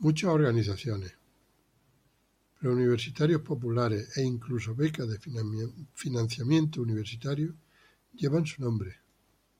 Muchas organizaciones, preuniversitarios populares e incluso becas de financiamiento universitario llevan su nombre.